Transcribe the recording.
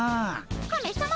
カメさま。